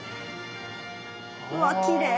うわきれい。